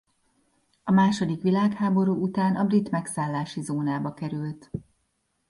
A második világháború után a brit megszállási zónába került.